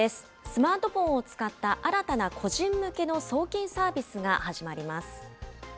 スマートフォンを使った新たな個人向けの送金サービスが始まります。